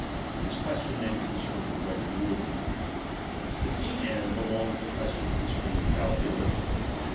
This question then con cerns the right of ruling. To the same end be longs the question concerning infalUbiUfy.